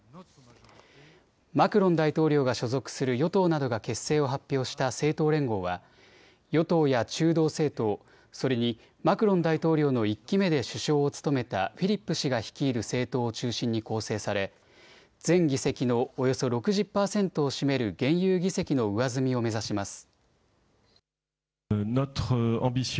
マクロン大統領が所属する与党などが結成を発表した政党連合は与党や中道政党、それにマクロン大統領の１期目で首相を務めたフィリップ氏が率いる政党を中心に構成され全議席のおよそ６０％を占める現有議席の上積みを目指します。